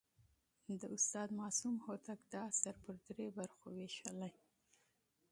د استاد معصوم هوتک دا اثر پر درې برخو ویشلی.